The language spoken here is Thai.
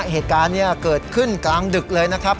เหตุการณ์นี้เกิดขึ้นกลางดึกเลยนะครับ